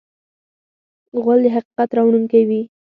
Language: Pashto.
غول د حقیقت راوړونکی دی.